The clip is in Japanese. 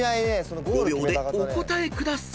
５秒でお答えください］